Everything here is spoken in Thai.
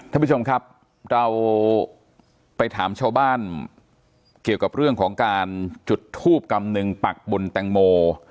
ท่านผู้ชมครับเราไปถามชาวบ้านเกี่ยวกับเรื่องของการจุดทูบกำนึงปักบุญแตงโม